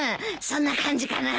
そんな感じかな。